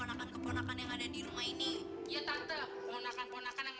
nanti saya akan pikirkan bagaimana caranya bu